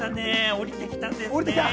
下りてきたんですね。